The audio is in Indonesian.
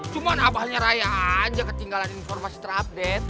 cuman abah nyerah aja ketinggalan informasi terupdate